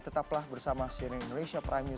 tetaplah bersama cnn indonesia prime news